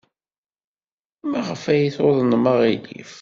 Maɣef ay tuḍnem aɣilif?